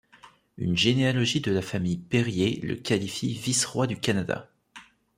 Une généalogie de la famille Perier le qualifie vice-roi du Canada.